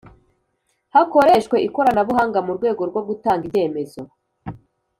hakoreshwe ikoranabuhanga mu rwego rwo gutanga ibyemezo